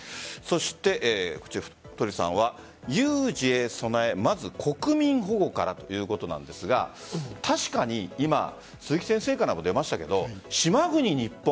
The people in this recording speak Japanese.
太さんは、有事へ備えまずは国民保護からということなんですが確かに今、鈴木先生からも出ましたが島国・日本。